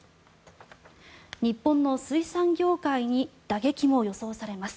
日本の水産業界に打撃も予想されます。